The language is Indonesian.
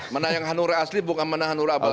mana yang hanura asli bukan mana hanura abal abal